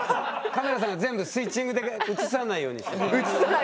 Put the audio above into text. カメラさんが全部スイッチングで映さないようにしてるから。